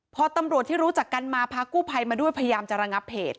พอตำรวจที่รู้จักกันมาพากู้ภัยมาด้วยพยายามจะระงับเหตุ